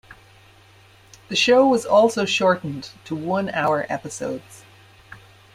The show was also shortened to one-hour episodes.